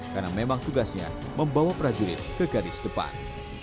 karena memang tugasnya membawa prajurit ke garis depan